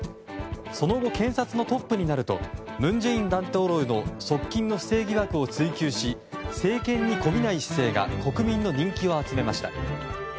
その後、検察のトップになると文在寅大統領の側近の不正疑惑を追及し政権にこびない姿勢が国民の人気を集めました。